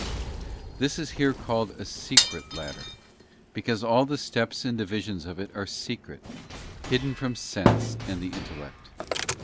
Explanation This is here called a secret ladder, because all the steps = and divisions of it are secret, hidden from sense and the intellect.